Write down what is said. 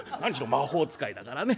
魔法使いだからね。